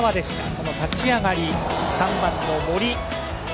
その立ち上がり、３番の森。